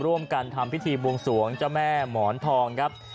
ร่วมกันทำพิธีบวงสวงเจ้าแม่หมอนทองครับ